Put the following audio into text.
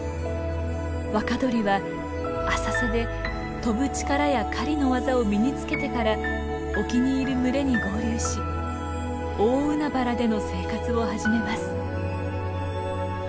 若鳥は浅瀬で飛ぶ力や狩りの技を身につけてから沖にいる群れに合流し大海原での生活を始めます。